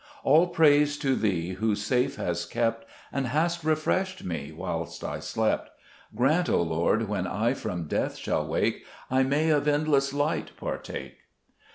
5 All praise to Thee, who safe has kept, And hast refreshed me whilst I slept : Grant, Lord, when I from death shall wake, I may of endless light partake.